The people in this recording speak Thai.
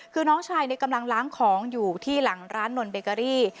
คือน้องชายกำลังล้างของอยู่ที่หลังร้านนนเบเกอรี่